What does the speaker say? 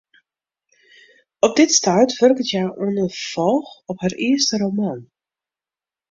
Op dit stuit wurket hja oan in ferfolch op har earste roman.